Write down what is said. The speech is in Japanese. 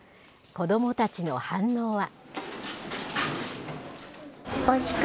子どもたちの反応は。